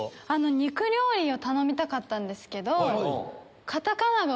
肉料理を頼みたかったんですけど。